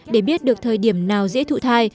để biết được thời điểm nào dễ thụ thai